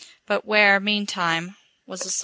But where, meantime, was the soul?